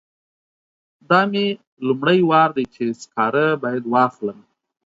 دا مې لومړی وار دی چې سکاره باید واخلم.